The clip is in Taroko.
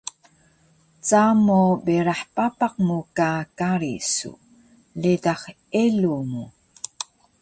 Camo berah papak mu ka kari su, ledax elu mu